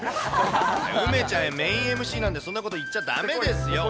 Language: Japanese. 梅ちゃん、メインＭＣなんで、そんなこと言っちゃだめですよ。